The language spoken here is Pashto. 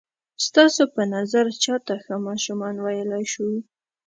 ستاسو په نظر چاته ښه ماشومان ویلای شو؟